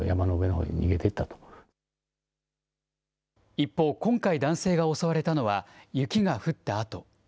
一方、今回、男性が襲われたのは、雪が降ったあと。